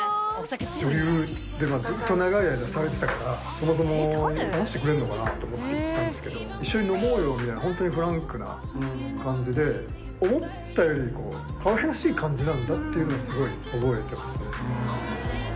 女優ってずっと長い間されてたから、そもそも話してくれるのかなと思って行ったんですけど、一緒に飲もうよみたいな、本当にフランクな感じで、思ったよりかわいらしい感じなんだなっていうのは、すごい覚えてますね。